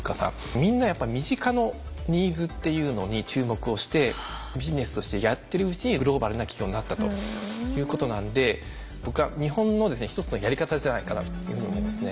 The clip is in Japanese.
みんなやっぱ身近のニーズっていうのに注目をしてビジネスとしてやってるうちにグローバルな企業になったということなんで僕は日本のですね一つのやり方じゃないかなというふうに思いますね。